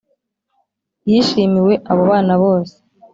yishimiwe abo bana bose